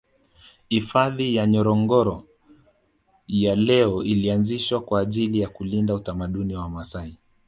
Hifadhi ya Ngorongoro ya leo ilianzishwa kwa ajili ya kulinda utamaduni wa wamaasai